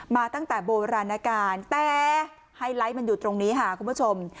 มาตั้งแต่โบราณการแต่ไฮไลท์มันอยู่ตรงนี้ค่ะคุณผู้ชม